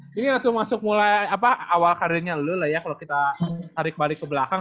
ini langsung masuk mulai awal karirnya dulu lah ya kalau kita tarik balik ke belakang